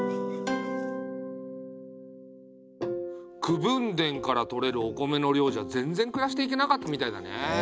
口分田からとれるお米の量じゃ全然暮らしていけなかったみたいだね。